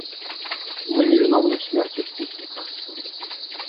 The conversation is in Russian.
Мы не виновны в смерти путника.